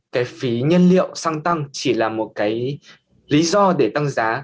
cái phí nhân liệu xăng tăng chỉ là một cái lý do để tăng giá